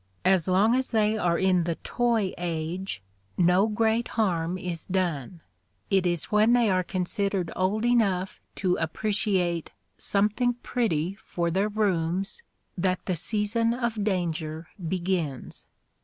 As long as they are in the toy age no great harm is done: it is when they are considered old enough to appreciate "something pretty for their rooms" that the season of danger begins.